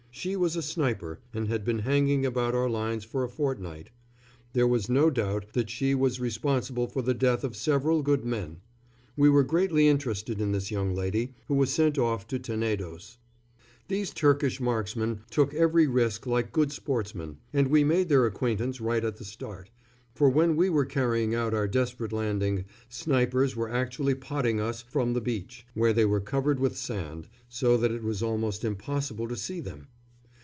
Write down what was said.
She was a sniper, and had been hanging about our lines for a fortnight. There was no doubt that she was responsible for the death of several good men. We were greatly interested in this young lady, who was sent off to Tenedos. These Turkish marksmen took every risk like good sportsmen, and we made their acquaintance right at the start, for when we were carrying out our desperate landing snipers were actually potting us from the beach, where they were covered with sand, so that it was almost impossible to see them.